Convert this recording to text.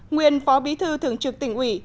nguyên phó bí thư thường trực tỉnh ủy